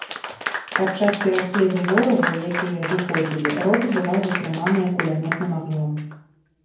Падчас пераследу ворагаў, якія адыходзілі, рота была затрыманая кулямётным агнём.